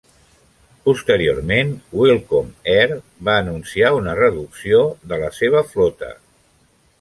Posteriorment, Welcome Air va anunciar una reducció de la seva flota.